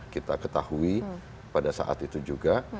kita ketahui pada saat itu juga